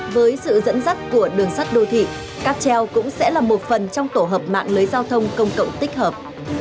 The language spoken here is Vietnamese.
với sự dẫn dắt của đường sắt đô thị cáp treo cũng sẽ là một phần trong tổ hợp mạng lưới giao thông công cộng tích hợp